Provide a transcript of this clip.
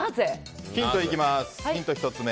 ヒント１つ目。